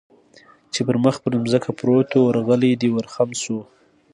چې پر مخ پر ځمکه پروت و، ورغلی، دی ور خم شو.